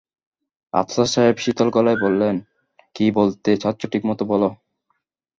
আফসার সাহেব শীতল গলায় বলেন, কী বলতে চাচ্ছ ঠিকমতো বল।